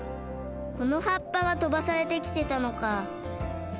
この葉っぱがとばされてきてたのか。